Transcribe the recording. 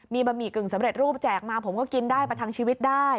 มีบะหมี่กึ่งสำเร็จรูปแจกมาผมก็กินได้ประทังชีวิตได้